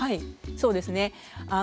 そうですね。